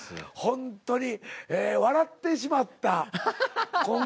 ほんとに笑ってしまった。